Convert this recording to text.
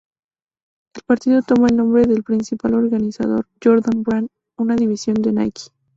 El partido toma el nombre del principal organizador, Jordan Brand, una división de Nike.